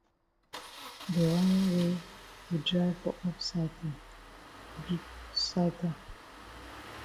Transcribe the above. De wan wey yi dry for up side den big for side down.